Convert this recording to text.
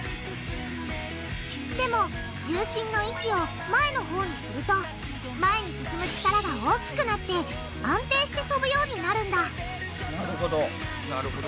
でも重心の位置を前のほうにすると前に進む力が大きくなって安定して飛ぶようになるんだなるほど。